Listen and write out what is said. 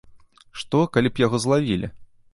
Што, калі б яго злавілі!